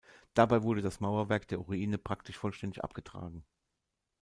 Dabei wurde das Mauerwerk der Ruine praktisch vollständig abgetragen.